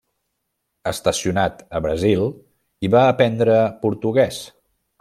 Estacionat a Brasil, hi va aprendre portuguès.